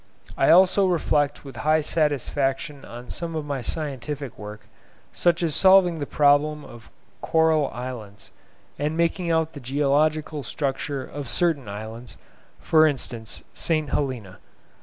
I also reflect with high satisfaction on some of my scientific work, such as solving the problem of coral islands, and making out the geological structure of certain islands, for instance, St. Helena.